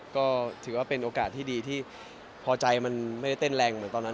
ก็ถือว่าเป็นโอกาสที่ดีที่พอใจมันไม่ได้เต้นแรงเหมือนตอนนั้น